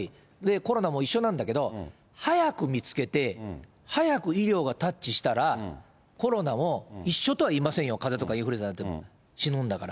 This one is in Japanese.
コロナも一緒なんだけど、早く見つけて、早く医療がタッチしたら、コロナも一緒とは言いませんよ、かぜとかインフルエンザと、死ぬんだから。